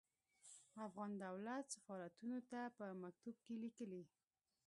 افغان دولت سفارتونو ته په مکتوب کې ليکلي.